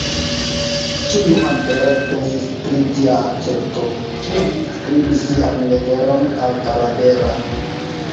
Ĉu Juan Perez pensis pri tia akcepto, kiam li skribis sian leteron al Talabera?